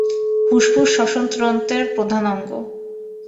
ফুসফুস শ্বসনতন্ত্রের প্রধান অঙ্গ।